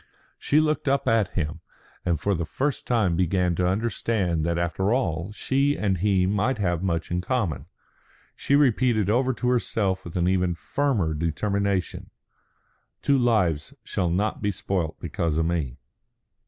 She looked up at him, and for the first time began to understand that after all she and he might have much in common. She repeated over to herself with an even firmer determination, "Two lives shall not be spoilt because of me."